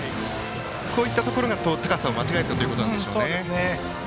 こういったところが、高さを間違えたということでしょうね。